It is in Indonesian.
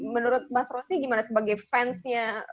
menurut mas rosti gimana sebagai fansnya